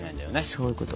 そういうこと。